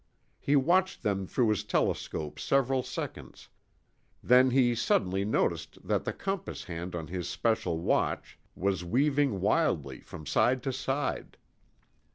He watched them through his telescope several seconds. then he suddenly noticed that the compass hand on his special watch was weaving wildly from side to side.